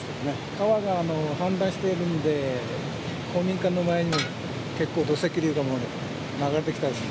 川が氾濫してるんで、公民館の前にも、結構土石流がもう流れてきたですよ。